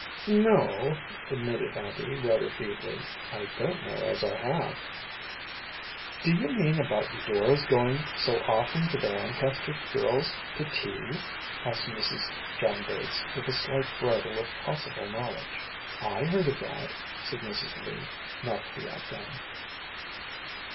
‚ÄúNo,‚ÄĚ admitted Abby, rather feebly. “I don’t know as I have.‚ÄĚ “Do you mean about Eudora’s going so often to the Lancaster girls’ to tea?‚ÄĚ asked Mrs. John Bates, with a slight bridle of possible knowledge. “I heard of that,‚ÄĚ said Mrs. Lee, not to be outdone.